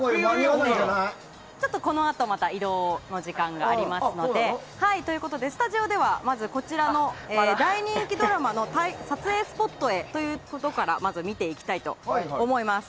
このあとまた移動の時間がありますのでスタジオではこちらの大人気ドラマの撮影スポットへというところから見ていきたいと思います。